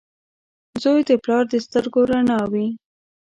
• زوی د پلار د سترګو رڼا وي.